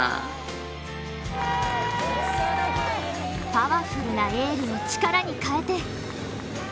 パワフルなエールを力に変えて。